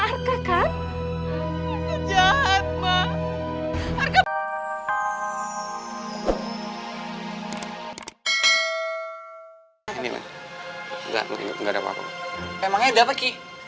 harta kan jahat maaf harga ini enggak enggak ada apa apa emangnya udah pagi